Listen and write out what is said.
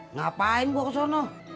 ngapain gua ke sana